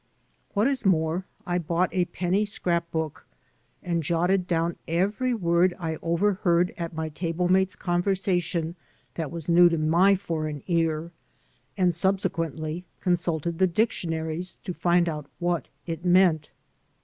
What is more, I bought a penny scrap book and jotted down every word I over heard in my table mates' conversation that was new to my foreign ear, and subsequently consulted the dic tionaries to find out what it meant.